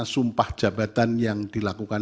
sumpah jabatan yang dilakukan